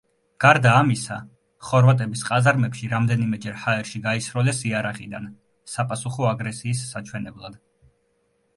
გარდა ამისა, ხორვატების ყაზარმებში რამდენიმეჯერ ჰაერში გაისროლეს იარაღიდან საპასუხო აგრესიის საჩვენებლად.